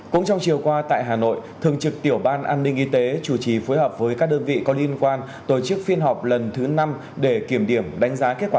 cũng trong chiều qua tại hà nội thường trực tiểu ban an ninh y tế chủ trì phối hợp với các đơn vị có liên quan tổ chức phiên họp lần thứ năm để kiểm điểm đánh giá kết quả